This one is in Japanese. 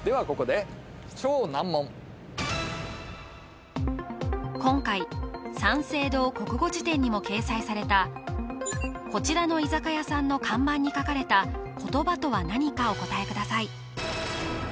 ここで今回三省堂国語辞典にも掲載されたこちらの居酒屋さんの看板に書かれた言葉とは何かお答えください